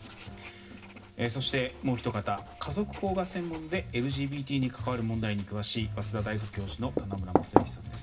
そして、もうひと方家族法が専門でＬＧＢＴに関わる問題に詳しい早稲田大学教授の棚村政行さんです。